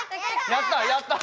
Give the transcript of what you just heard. やった！